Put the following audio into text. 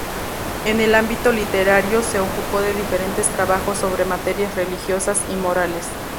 En el ámbito literario, se ocupó de diferentes trabajos sobre materias religiosas y morales.